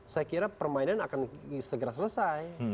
saya kira permainan akan segera selesai